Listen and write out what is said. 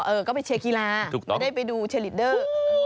เออก็ไปเชียร์กีฬาได้ไปดูเชลิดเดอร์